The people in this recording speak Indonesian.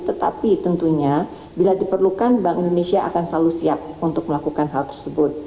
tetapi tentunya bila diperlukan bank indonesia akan selalu siap untuk melakukan hal tersebut